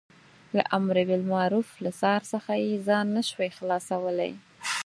له امر بالمعروف له څار څخه یې ځان نه شوای خلاصولای.